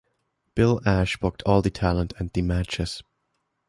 Bill Ash booked all the talent and the matches.